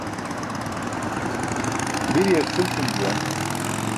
Biryar cʰil tʰim juwan.